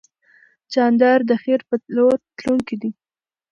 جانداد د خیر په لور تلونکی دی.